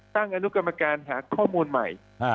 อนุกรรมการหาข้อมูลใหม่